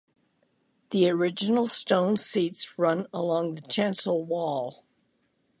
The original stone seats run along the chancel wall.